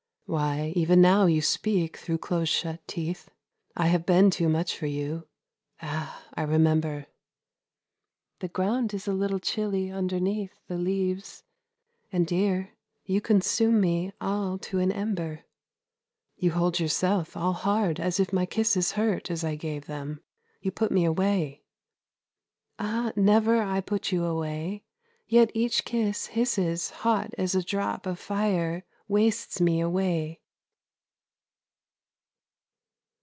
Why even now you speak through close shut teeth. I have been too much for you Ah, I remember! The ground is a little chilly underneath The leaves and, dear, you consume me all to an ember. You hold yourself all hard as if my kisses Hurt as I gave them you put me away Ah never I put you away: yet each kiss hisses Hot as a drop of fire wastes me away.